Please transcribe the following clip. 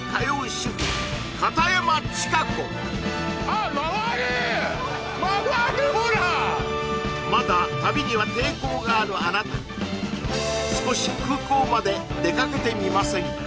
そうなんですまだ旅には抵抗があるあなた少し空港まで出かけてみませんか？